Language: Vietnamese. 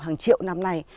hàng triệu năm nay